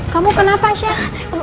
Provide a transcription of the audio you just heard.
kamu kenapa aisyah